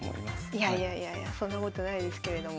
いやいやいやいやそんなことないですけれども。